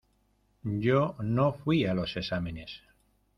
Yo no fuí a los exámenes.